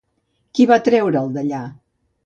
Qui va treure'l d'allà?